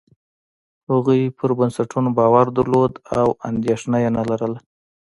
هغوی پر بنسټونو باور درلود او اندېښنه یې نه لرله.